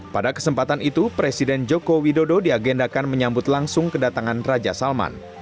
pada kesempatan itu presiden joko widodo diagendakan menyambut langsung kedatangan raja salman